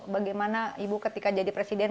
bagaimana ibu ketika jadi presiden